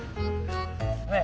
ねえ。